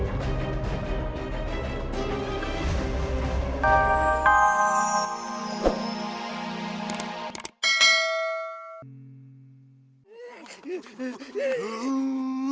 ampura ya ratu